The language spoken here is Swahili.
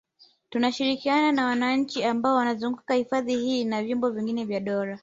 Tunashirikiana na wananchi ambao wanazunguka hifadhi hii na vyombo vingine vya dola